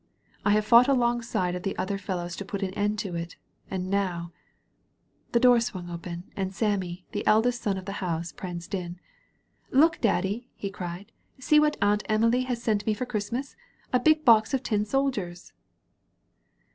I have fought alongside of the other fellows to put an end to it, and now " Hie door swung open, and Sammy, the eldest son of the house, pranced in. "Look, Daddy," he cried, "see what Aunt Emily has sent me for Christmas — a big box of tin sol diers!"